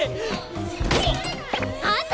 あんた！